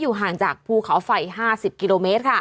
ห่างจากภูเขาไฟ๕๐กิโลเมตร